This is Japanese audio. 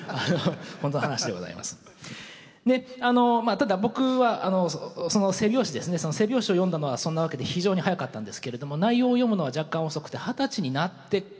ただ僕はその背表紙ですねその背表紙を読んだのはそんなわけで非常に早かったんですけれども内容を読むのは若干遅くて二十歳になってからぐらいだったと思います。